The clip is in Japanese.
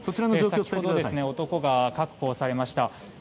先ほど、男が確保されました。